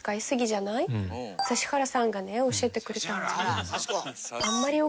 指原さんがね教えてくれたんだよね。